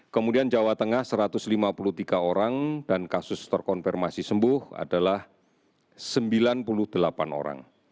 kemudian jawa tengah satu ratus lima puluh tiga orang dan kasus terkonfirmasi sembuh adalah sembilan puluh delapan orang